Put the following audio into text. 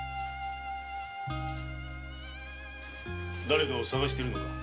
だれかを捜しているのか？